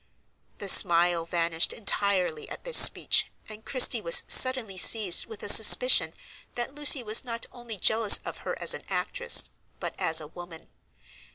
The smile vanished entirely at this speech, and Christie was suddenly seized with a suspicion that Lucy was not only jealous of her as an actress, but as a woman.